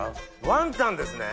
ワンタンですね？